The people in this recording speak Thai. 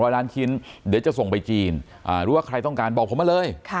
ล้านชิ้นเดี๋ยวจะส่งไปจีนหรือว่าใครต้องการบอกผมมาเลย